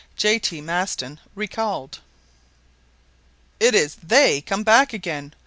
J. T. MASTON RECALLED "It is 'they' come back again!"